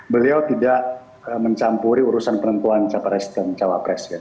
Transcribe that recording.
beliau tidak mencampuri urusan penentuan capres dan cawapres ya